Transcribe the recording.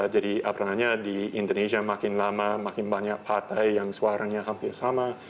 jadi apalagi di indonesia makin lama makin banyak partai yang suaranya hampir sama